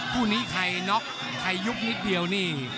คู่นี้ใครน็อกใครยุบนิดเดียวนี่